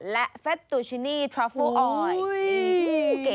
และเฟสตูชินีทราโฟออย